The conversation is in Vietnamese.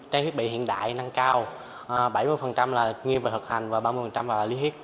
trang thiết bị hiện đại năng cao bảy mươi nghiêm vật thực hành và ba mươi lý thiết